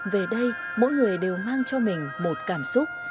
về đây mỗi người đều mang cho mình một cảm xúc